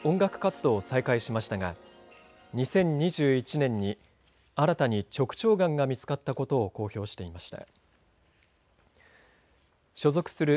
２０１４年中咽頭がんと診断され治療後に音楽活動を再開しましたが２０２１年に新たに直腸がんが見つかったことを公表していました。